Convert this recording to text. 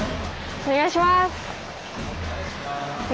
お願いします。